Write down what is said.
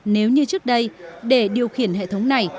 nếu như trước đây để điều khiển hệ thống này